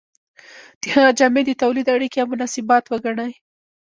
د هغه جامې د تولید اړیکې یا مناسبات وګڼئ.